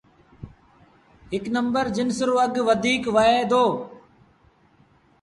هڪ نمبر جنس رو اگھ وڌيٚڪ وهئي دو۔